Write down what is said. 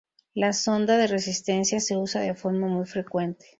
La sonda de resistencia se usa de forma muy frecuente.